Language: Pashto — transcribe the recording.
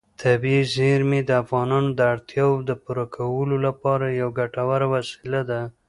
طبیعي زیرمې د افغانانو د اړتیاوو د پوره کولو لپاره یوه ګټوره وسیله ده.